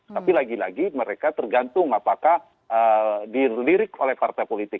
tapi lagi lagi mereka tergantung apakah dilirik oleh partai politik